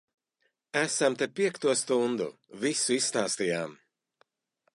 Esam te piekto stundu. Visu izstāstījām.